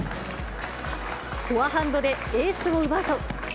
フォアハンドでエースを奪うと。